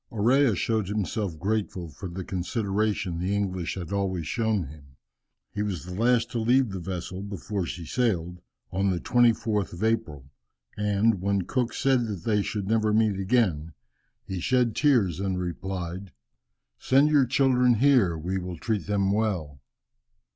Orea showed himself grateful for the consideration the English had always shown him. He was the last to leave the vessel before she sailed, on the 24th of April, and when Cook said that they should never meet again, he shed tears and replied, "Send your children here, we will treat them well."